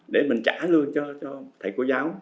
để mình trả lương cho thầy cô giáo